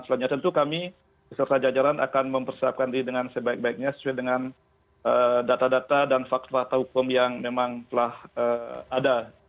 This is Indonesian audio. selanjutnya tentu kami beserta jajaran akan mempersiapkan diri dengan sebaik baiknya sesuai dengan data data dan fakta fakta hukum yang memang telah ada